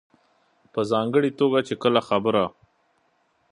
په ځانګړې توګه چې کله خبره